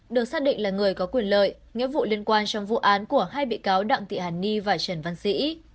được xác định là người có quyền lợi nghĩa vụ liên quan trong vụ án của hai bị cáo đặng tị hàn ni và trần văn sĩ